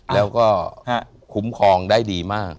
แล้วก็คุ้มครองได้ดีมาก